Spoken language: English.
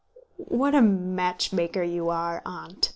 "What a matchmaker you are, Aunt..."